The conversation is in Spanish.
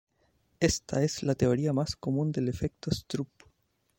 Esta es la teoría más común del efecto Stroop.